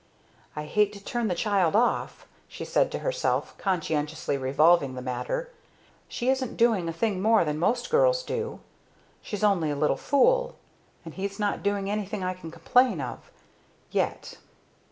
"I hate to turn the child off," she said to herself, conscientiously revolving the matter. "She isn't doing a thing more than most girls do she's only a little fool. And he's not doing anything I can complain of yet."